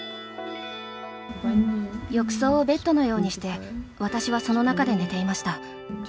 浴槽をベッドのようにして、私はその中で寝ていました。